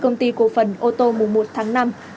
công ty cổ phần ô tô một tháng năm